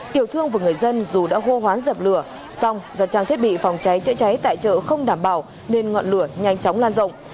tiểu thương và người dân dù đã hô hoán dập lửa song do trang thiết bị phòng cháy chữa cháy tại chợ không đảm bảo nên ngọn lửa nhanh chóng lan rộng